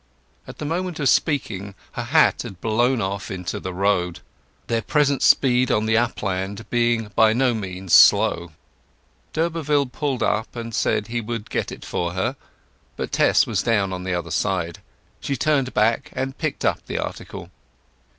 At the moment of speaking her hat had blown off into the road, their present speed on the upland being by no means slow. D'Urberville pulled up, and said he would get it for her, but Tess was down on the other side. She turned back and picked up the article.